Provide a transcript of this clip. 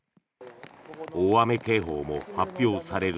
大雨警報も発表される